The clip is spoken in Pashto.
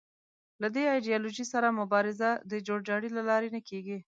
له دې ایدیالوژۍ سره مبارزه د جوړ جاړي له لارې نه کېږي